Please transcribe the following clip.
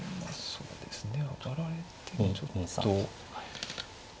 そうですね。